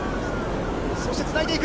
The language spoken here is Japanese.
そしてつないでいく。